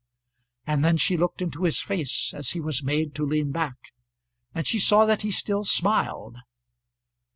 And then she looked into his face as he was made to lean back, and she saw that he still smiled.